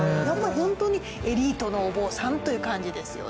ホントにエリートのお坊さんという感じですよね。